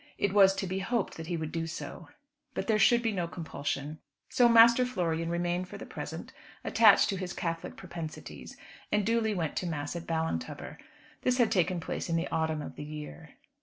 It was to be hoped that he would do so. But there should be no compulsion. So Master Florian remained for the present attached to his Catholic propensities, and duly went to mass at Ballintubber. This had taken place in the autumn of the year.